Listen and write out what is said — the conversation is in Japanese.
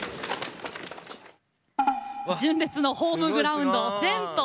純烈のホームグラウンド銭湯。